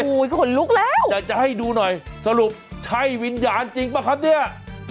โอ้โหขนลุกแล้วอยากจะให้ดูหน่อยสรุปใช่วิญญาณจริงป่ะครับเนี่ย